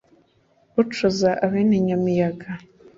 ucuza abene nyamiyaga.